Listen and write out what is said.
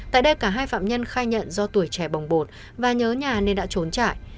tại đây cả hai phạm nhân khai nhận do tuổi trẻ bỏng bột và nhớ nhà nên đã trốn chạy